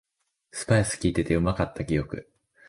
スパイスきいててうまかった記憶